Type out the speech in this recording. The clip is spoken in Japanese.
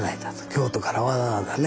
京都からわざわざね